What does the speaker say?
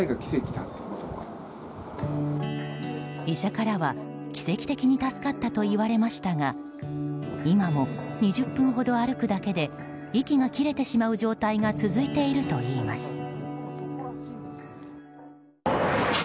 医者からは奇跡的に助かったと言われましたが今も、２０分ほど歩くだけで息が切れてしまう状態が続いているといいます。